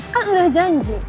kan udah janji